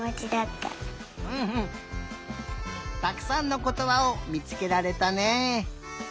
たくさんのことばをみつけられたね。